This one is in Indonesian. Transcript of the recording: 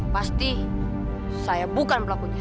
pasti saya bukan pelakunya